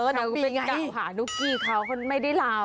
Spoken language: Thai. แต่เป็นตามหานุ๊กกี้เขาเขาไม่ได้ลาบ